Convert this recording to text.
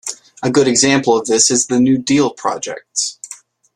A good example of this is the New Deal projects.